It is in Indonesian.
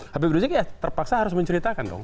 habib rizik ya terpaksa harus menceritakan dong